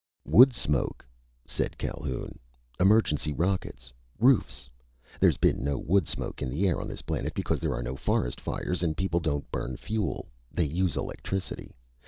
"Wood smoke," said Calhoun. "Emergency rockets. Roofs! There's been no wood smoke in the air on this planet because there are no forest fires and people don't burn fuel. They use electricity.